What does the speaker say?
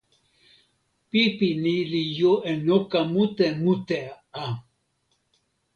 pipi ni li jo e noka mute mute a!